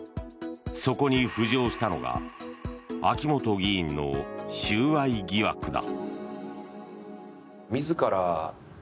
そこに浮上したのが秋本議員の収賄疑惑だ。